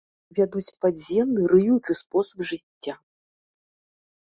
Вядуць падземны, рыючы спосаб жыцця.